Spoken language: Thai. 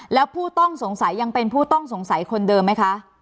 แล้วผู้ต้องสงสัยยังเป็นผู้ต้องสงสัยคนเดิมไหมคะ